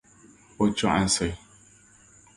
O chɔɣinsi.